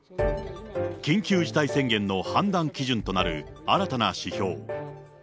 緊急事態宣言の判断基準となる新たな指標。